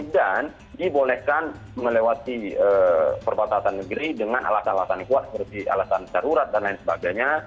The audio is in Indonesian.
dan dibolehkan melewati perbatasan negeri dengan alasan alasan kuat seperti alasan darurat dan lain sebagainya